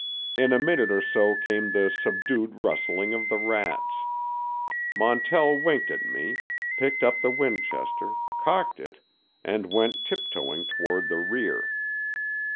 In a minute or so came the subdued rustling of the rats. Montell winked at me, picked up the Winchester, cocked it, and went tip toeing toward the rear.